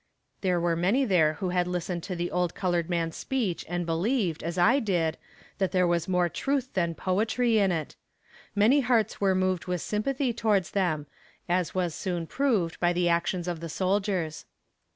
There were many there who had listened to the old colored man's speech and believed, as I did, that there was more truth than poetry in it. Many hearts were moved with sympathy towards them, as was soon proved by the actions of the soldiers.